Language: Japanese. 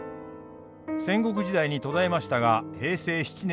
戦国時代に途絶えましたが平成７年に復興。